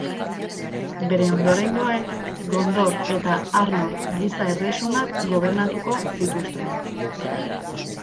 Bere ondorengoek, Gondor eta Arnor giza erresumak gobernatuko zituzten.